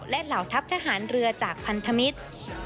และเหล่าทัพทหารเรือจากพันธมิตร